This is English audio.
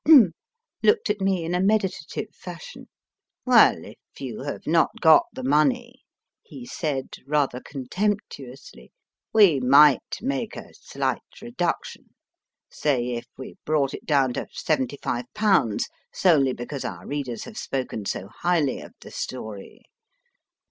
looked at me in a meditative fashion. Well, if you have not got the money, he said rather contemptuously, * we might make a slight reduction say, if we brought it down to 75/., solely because our readers have spoken so highly of the story.